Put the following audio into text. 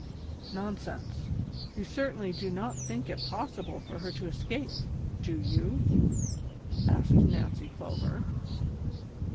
" Nonsense ; you certainly do not think it possible for her to escape, do you ?" asked Nancy Clover.